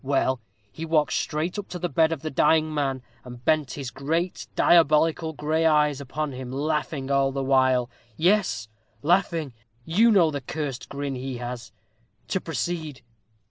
Well, he walked straight up to the bed of the dying man, and bent his great, diabolical gray eyes upon him, laughing all the while yes, laughing you know the cursed grin he has. To proceed.